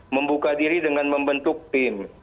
membuka diri dengan membentuk tim